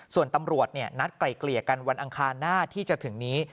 ส่วนตำรวจนัดไกลเกลี่ยกันวันอังคารหน้าที่จะถึงนี้